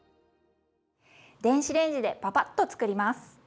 電子レンジでパパッと作ります。